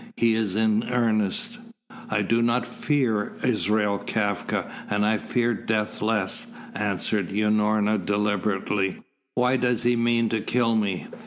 "He is in earnest." "I do not fear Israel Kafka, and I fear death less," answered Unorna deliberately. "Why does he mean to kill me?"